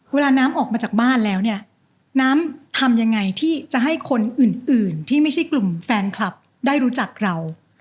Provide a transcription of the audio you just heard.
เวลาน้ำออกมาจากบ้านแล้วเนี่ยน้ำทำยังไงที่จะให้คนอื่นที่ไม่ใช่กลุ่มแฟนคลับได้รู้จักเรา